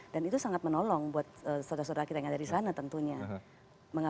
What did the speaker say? dan itu sangat menolong buat saudara saudara kita yang ada di sana tentunya